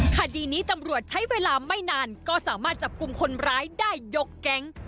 คดีนี้ตำรวจใช้เวลาไม่นานก็สามารถจับกลุ่มคนร้ายได้ยกแก๊ง